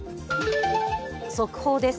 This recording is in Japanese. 速報です。